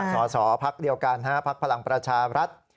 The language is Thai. สอสอภักดิ์เดียวกันฮะภักดิ์พลังประชารัฐ